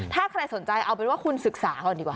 ถ้าใครสนใจเอาเป็นว่าคุณศึกษาก่อนดีกว่า